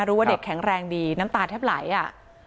ว่าเด็กแข็งแรงดีน้ำตาแทบไหลอ่ะ